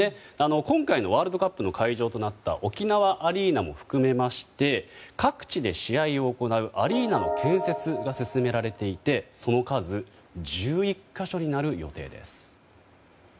今回のワールドカップの会場となった沖縄アリーナも含めまして各地で試合を行うアリーナの建設が進められていてその数１１か所になる予定です。